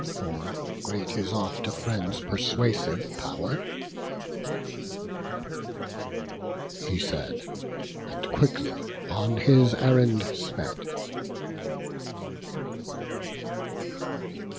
For great is oft a friend's persuasive pow'r." He said, and quickly on his errand sped.